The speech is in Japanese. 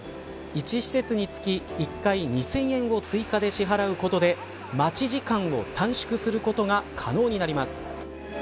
１施設につき１回２０００円を追加で支払うことで待ち時間を短縮することが可能になります。